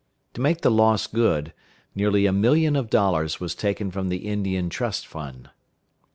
To make the loss good, nearly a million of dollars was taken from the Indian Trust Fund.